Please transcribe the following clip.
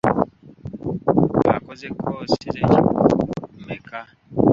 Okoze kkoosi z'ekikugu mmeka?